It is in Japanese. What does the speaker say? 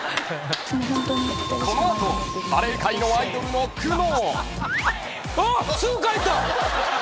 ［この後バレー界のアイドルの苦悩］